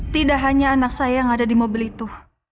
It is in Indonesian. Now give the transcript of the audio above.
tidak hanya anak saya yang ada di mobil itu